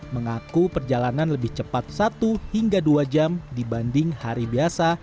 mengaku perjalanan lebih cepat satu hingga dua jam dibanding hari biasa